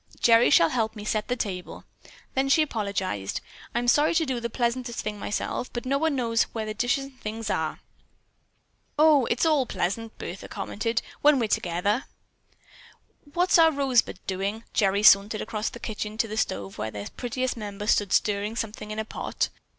Gerry shall help me set the table." Then she apologized: "I'm sorry to do the pleasantest thing myself, but no one else knows where the dishes and things are." "Oh, it's all pleasant," Bertha commented, "when we're all together." "What's our Rosebud doing?" Gerry sauntered across the kitchen to the stove where their prettiest member stood stirring something in a pot.